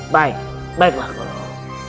baik baiklah guru